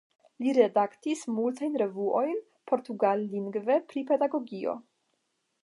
Li redaktis multajn revuojn portugallingve pri pedagogio.